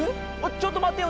ちょっとまってよ